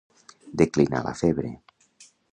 Declinar la febre.